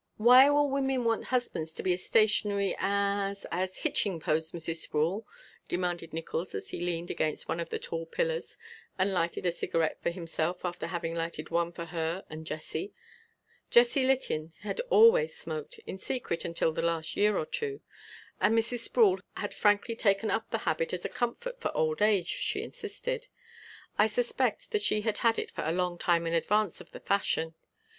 "Why will women want husbands to be as stationary as as hitching posts, Mrs. Sproul?" demanded Nickols as he leaned against one of the tall pillars and lighted a cigarette for himself after having lighted one for her and Jessie. Jessie Litton had always smoked, in secret until the last year or two, and Mrs. Sproul had frankly taken up the habit as a comfort for old age, she insisted. I suspect that she had had it for a long time in advance of the fashion.